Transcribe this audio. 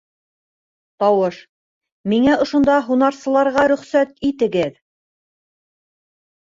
Тауыш: Миңә ошонда һунарсыларға рөхсәт итегеҙ.